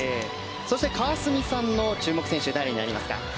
そして、川澄さんの注目選手は誰になりますか。